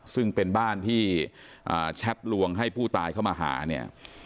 ซึ่งเป็นบ้านที่แชทลวงให้ผู้ตายเข้ามาหาเนี่ย